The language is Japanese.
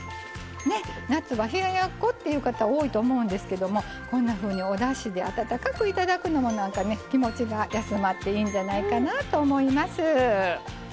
夏は冷ややっこっていう方多いと思うんですけどおだしで温かくいただくのも気持ちが休まっていいんじゃないかなと思います。